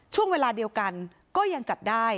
ช่วงเวลาเดียวกันก็ยังจัดได้